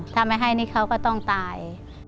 ถ้าไม่ให้นี่เขาก็ต้องตาย